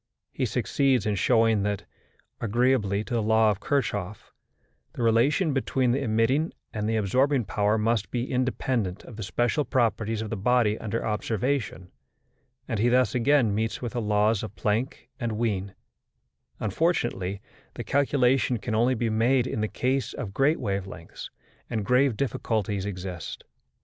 He succeeds in showing that, agreeably to the law of Kirchhoff, the relation between the emitting and the absorbing power must be independent of the special properties of the body under observation, and he thus again meets with the laws of Planck and of Wien: unfortunately the calculation can only be made in the case of great wave lengths, and grave difficulties exist.